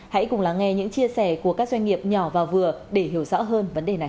hãy cùng lắng nghe những chia sẻ của các doanh nghiệp nhỏ và vừa để hiểu rõ hơn vấn đề này